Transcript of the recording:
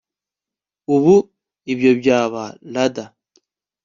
ubu ibyo byaba rad